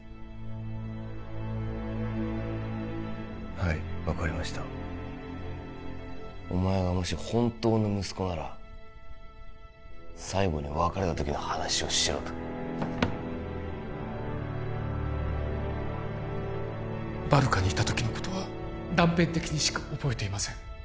はい分かりましたお前がもし本当の息子なら最後に別れた時の話をしろとバルカにいた時のことは断片的にしか覚えていません